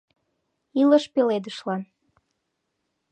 Илыш пеледышлан.